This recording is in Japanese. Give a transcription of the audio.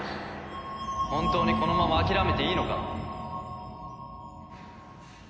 本当にこのまま諦めていいのか？